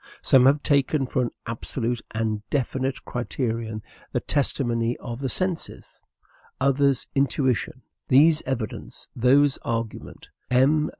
Some have taken for an absolute and definite criterion the testimony of the senses; others intuition; these evidence; those argument. M.